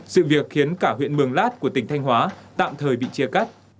sự việc khiến cả huyện mường lát của tỉnh thanh hóa tạm thời bị chia cắt